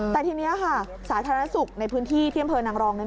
แต่ทีนี้สาธารณสุขในพื้นที่เที่ยมเพลินนางรอง